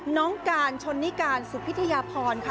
น้องการชนนิการสุพิทยาพรค่ะ